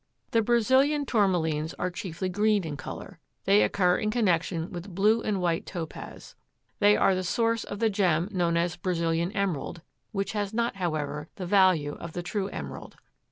The Brazilian Tourmalines are chiefly green in color. They occur in connection with blue and white topaz. They are the source of the gem known as Brazilian Emerald, which has not, however, the value of the true emerald.